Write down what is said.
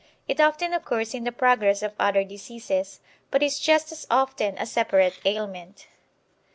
It often occurs in the progress of other diseases, but is just as often a separate ailment.